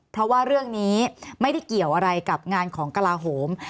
เพราะว่าเรื่องนี้ไม่ได้เกี่ยวอะไรกับงานของกระลาโหม